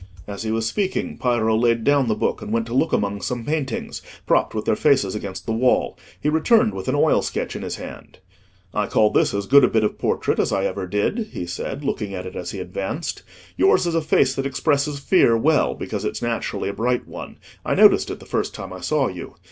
As he was speaking, Piero laid down the book and went to look among some paintings, propped with their faces against the wall. He returned with an oil sketch in his hand. "I call this as good a bit of portrait as I ever did," he said, looking at it as he advanced. "Yours is a face that expresses fear well, because it's naturally a bright one. I noticed it the first time I saw you.